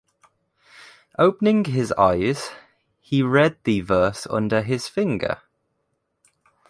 Opening his eyes, he read the verse under his finger.